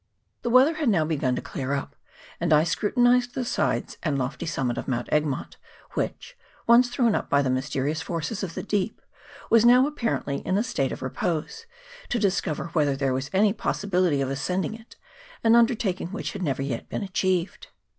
The weather had now begun to clear up ; and I scrutinized the sides and lofty summit of Mount Egmont, which, once thrown up by the mysterious fires of the deep, was now apparently in a state of repose, to discover whe ther there was any possibility of ascending it, an indertaking which had never yet been achieved.